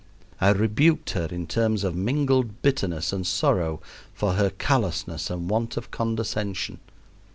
I rebuked her in terms of mingled bitterness and sorrow for her callousness and want of condescension.